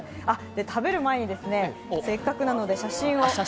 食べる前に、せっかくなので写真を。